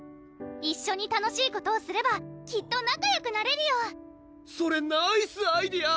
一緒に楽しいことをすればきっと仲よくなれるよそれナイスアイデア